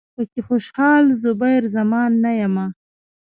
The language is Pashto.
پکې خوشال، زبیر زمان نه یمه